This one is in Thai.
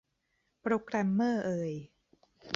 โปรแกรมเมอร์เอย